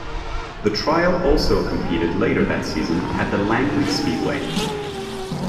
The trio also competed later that season at the Langley Speedway.